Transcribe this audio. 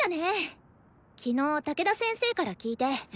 昨日武田先生から聞いて。